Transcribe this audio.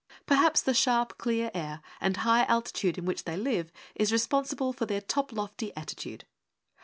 Perhaps the sharp, clear air and high altitude in which they live is responsible for their top lofty attitude.